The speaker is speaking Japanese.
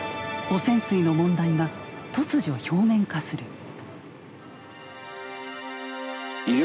汚染水の問題が突如表面化する。